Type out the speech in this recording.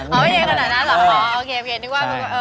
อ๋อไม่เอียงขนาดนั้นหรอโอเคนึกว่า